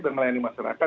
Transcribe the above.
dan melayani masyarakat